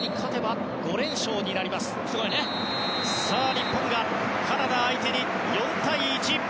日本がカナダ相手に４対１。